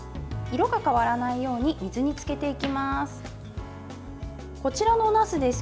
色が変わらないように水につけていきます。